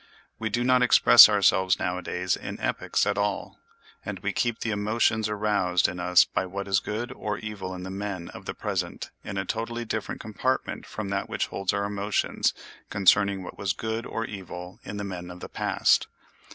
We do not express ourselves nowadays in epics at all; and we keep the emotions aroused in us by what is good or evil in the men of the present in a totally different compartment from that which holds our emotions concerning what was good or evil in the men of the past.